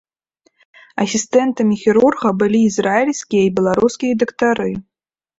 Асістэнтамі хірурга былі ізраільскія і беларускія дактары.